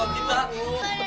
kita selamat sayang